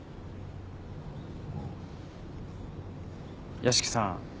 屋敷さん。